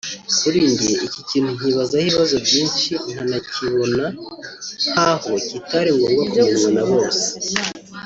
Kuri njye iki kintu nkibazaho ibibazo byinshi nkanakibona nkaho kitari ngommbwa kumenywa na bose